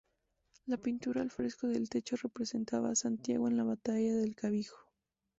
La pintura al fresco del techo representa a "Santiago en la batalla del Clavijo.